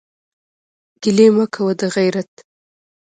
ګلې مه کوه دغېرت.